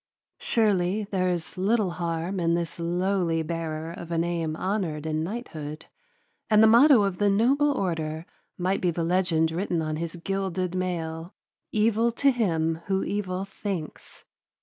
Surely there is little harm in this lowly bearer of a name honored in knighthood, and the motto of the noble order might be the legend written on his gilded mail, "Evil to him who evil thinks."